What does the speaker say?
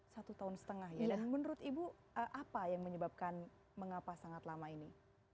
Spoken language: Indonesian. satu tahun setengah ya dan menurut ibu apa yang menyebabkan mengapa sangat lama ini